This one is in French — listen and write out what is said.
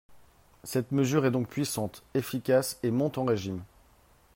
Cette mesure est donc puissante, efficace, et monte en régime.